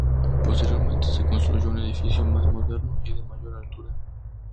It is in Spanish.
Posteriormente se construyó un edificio más moderno y de mayor altura.